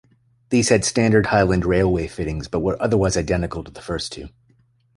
These had standard Highland Railway fittings but were otherwise identical to the first two.